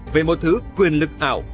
về một thứ quyền lực ảo